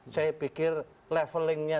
saya pikir levelingnya